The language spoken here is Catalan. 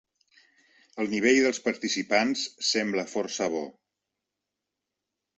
El nivell dels participants sembla força bo.